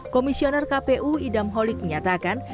komisioner kpu idam holik menyatakan